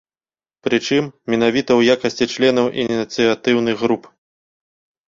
Прычым, менавіта ў якасці членаў ініцыятыўных груп.